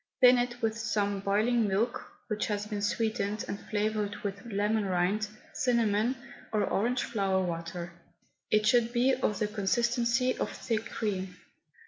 Thin it with some boiling milk which has been sweetened and flavoured with lemon rind, cinnamon, or orange flower water. It should be of the consistency of thick cream.